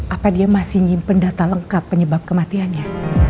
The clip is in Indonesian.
apa dia masih nyimpen data lengkap penyebab kematiannya